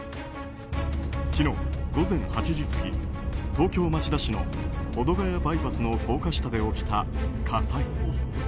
昨日午前８時過ぎ東京・町田市の保土ヶ谷バイパスの高架下で起きた火災。